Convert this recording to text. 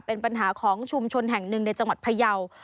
เป็นปัญหาของชุมชนแห่งหนึ่งในจังหวัดพยาว